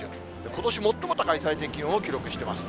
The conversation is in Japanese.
ことし最も高い最低気温を記録してます。